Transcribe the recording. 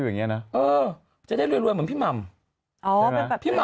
ผู้ชายเทแล้วตอนนี้